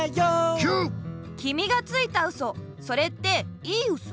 きみがついたウソそれっていいウソ？